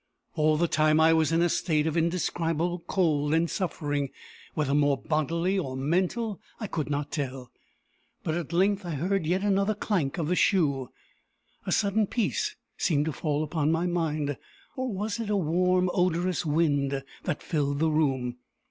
All the time, I was in a state of indescribable cold and suffering, whether more bodily or mental I could not tell. But at length I heard yet again the clank of the shoe A sudden peace seemed to fall upon my mind or was it a warm, odorous wind that filled the room?